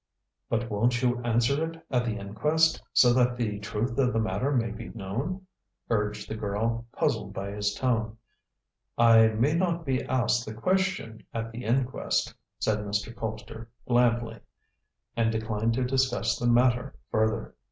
"But won't you answer it at the inquest, so that the truth of the matter may be known," urged the girl, puzzled by his tone. "I may not be asked the question at the inquest," said Mr. Colpster blandly, and declined to discuss the matter further.